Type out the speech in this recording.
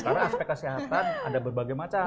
karena aspek kesehatan ada berbagai macam mas